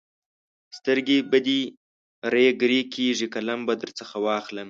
سترګې به دې رېګ رېګ کېږي؛ قلم به درڅخه واخلم.